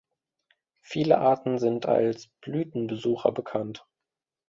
Viele Arten sind als Blütenbesucher bekannt.